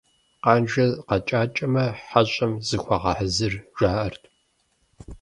Къанжэ къэкӀакӀэмэ, хьэщӀэм зыхуэгъэхьэзыр, жаӀэрт.